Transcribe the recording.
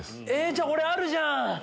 じゃあ俺あるじゃん！